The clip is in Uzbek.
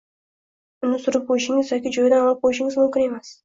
Uni surib qo‘yishingiz yoki joyidan olib qo‘yishingiz mumkin emas.